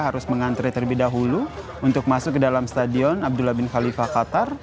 harus mengantre terlebih dahulu untuk masuk ke dalam stadion abdullah bin khalifah qatar